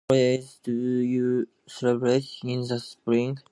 [unintelligible] do you service in the spring?